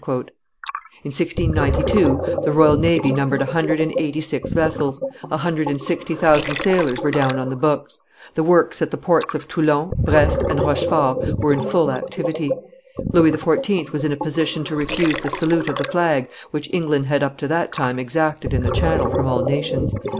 In 1692 the royal navy numbered a hundred and eighty six vessels; a hundred and sixty thousand sailors were down on the books; the works at the ports of Toulon, Brest, and Rochefort were in full activity; Louis XIV. was in a position to refuse the salute of the flag which the English had up to that time exacted in the Channel from all nations.